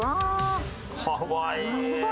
かわいい！